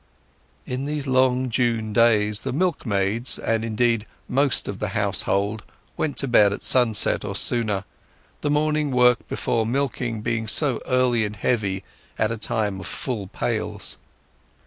In these long June days the milkmaids, and, indeed, most of the household, went to bed at sunset or sooner, the morning work before milking being so early and heavy at a time of full pails.